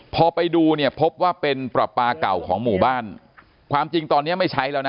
พอไปดูเนี่ยพบว่าเป็นปลาปลาเก่าของหมู่บ้านความจริงตอนเนี้ยไม่ใช้แล้วนะ